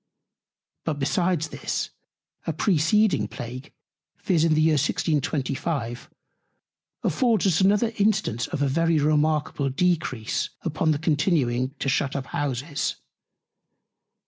But besides this, a preceding Plague, viz. in the Year 1625, affords us another Instance of a very remarkable Decrease upon the discontinuing to shut up Houses.